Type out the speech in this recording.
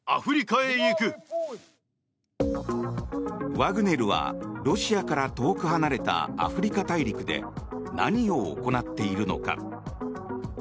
ワグネルはロシアから遠く離れたアフリカ大陸で何を行っているのか。